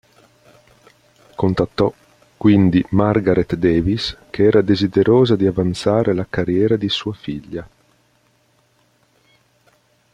Contattò quindi Margaret Davis, che era desiderosa di avanzare la carriera di sua figlia.